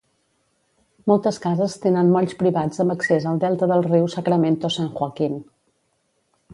Moltes cases tenen molls privats amb accés al delta del riu Sacramento-San Joaquin.